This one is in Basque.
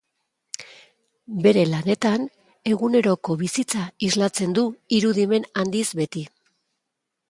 Bere lanetan eguneroko bizitza islatzen du irudimen handiz beti.